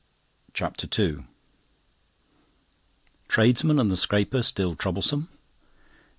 CHAPTER II Tradesmen and the scraper still troublesome.